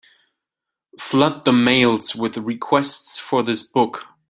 Flood the mails with requests for this book.